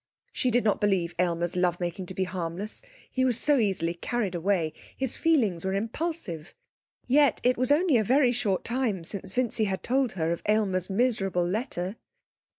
She did not believe Aylmer's love making to be harmless. He was so easily carried away. His feelings were impulsive. Yet it was only a very short time since Vincy had told her of Aylmer's miserable letter.